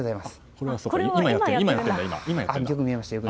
これ、今やってるんだ。